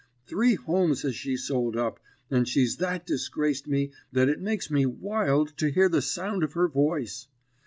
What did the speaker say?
Three homes has she sold up, and she's that disgraced me that it makes me wild to hear the sound of her voice.